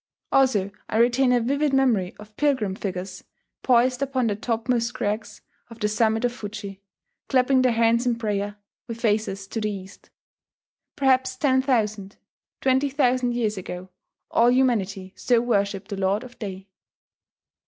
Also I retain a vivid memory of pilgrim figures poised upon the topmost crags of the summit of Fuji, clapping their hands in prayer, with faces to the East .... Perhaps ten thousand twenty thousand years ago all humanity so worshipped the Lord of Day